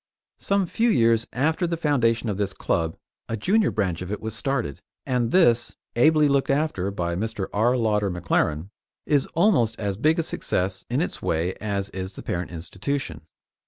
Some few years after the foundation of this club, a junior branch of it was started, and this, ably looked after by Mr. R. Lauder McLaren, is almost as big a success in its way as is the parent institution.